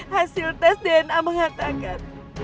hasil tes dna mengatakan